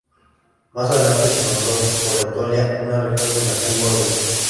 Más adelante se nombró por Etolia, una región de la antigua Grecia.